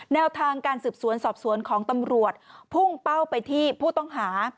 แนวทางการสืบสวนสอบสวนของตำรวจพุ่งเป้าไปที่ผู้ต้องหา